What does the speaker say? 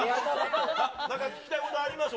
なんか聞きたいことあります？